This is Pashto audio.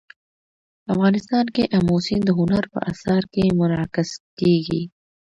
افغانستان کې آمو سیند د هنر په اثار کې منعکس کېږي.